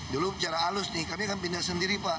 dulu cara halus nih kami kan pindah sendiri pak